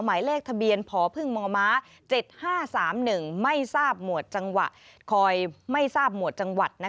หมายเลขทะเบียนพพม๗๕๓๑ไม่ทราบหมวดจังหวะ